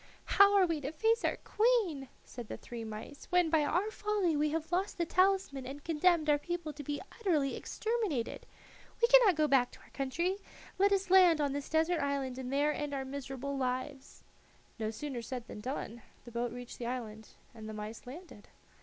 "How are we to face our queen," said the three mice "when by our folly we have lost the talisman and condemned our people to be utterly exterminated? We cannot go back to our country; let us land on this desert island and there end our miserable lives." No sooner said than done. The boat reached the island, and the mice landed.